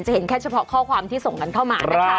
เห็นแค่เฉพาะข้อความที่ส่งกันเข้ามานะคะ